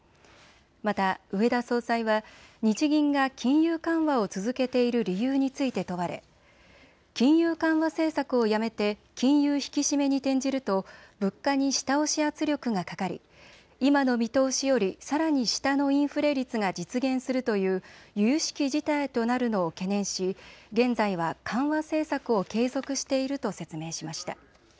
また植田総裁は日銀が金融緩和を続けている理由について問われ金融緩和政策をやめて金融引き締めに転じると物価に下押し圧力がかかり今の見通しよりさらに下のインフレ率が実現するというゆゆしき事態となるのを懸念し現在は緩和政策を継続していると説明しました。